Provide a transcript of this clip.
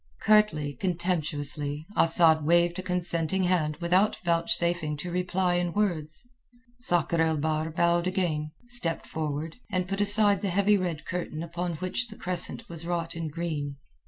Curtly, contemptuously, Asad waved a consenting hand without vouchsafing to reply in words. Sakr el Bahr bowed again, stepped forward, and put aside the heavy red curtain upon which the crescent was wrought in green.